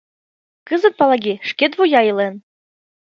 Кызыт Палаги шкет вуя илен.